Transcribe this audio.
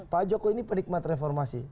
pak joko ini penikmat reformasi